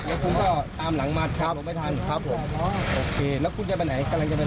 แล้วคุณก็ตามหลังมาชนผมไม่ทันครับผมโอเคแล้วคุณจะไปไหนกำลังจะเดิน